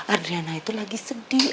adriana itu lagi sedih